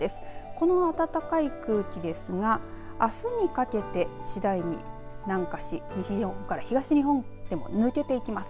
この暖かい空気ですがあすにかけて、しだいに南下し、西日本から東日本に抜けていきます。